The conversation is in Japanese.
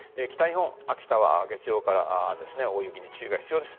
秋田は月曜日から大雪に注意が必要です。